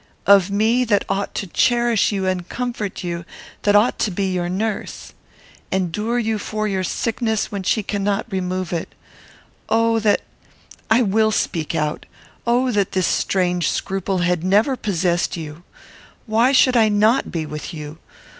Of me, that ought to cherish you and comfort you; that ought to be your nurse. Endure for you your sickness, when she cannot remove it. Oh! that I will speak out Oh that this strange scruple had never possessed you! Why should I not be with you?